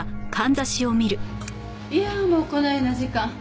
いやもうこないな時間。